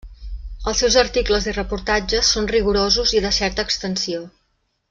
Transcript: Els seus articles i reportatges són rigorosos i de certa extensió.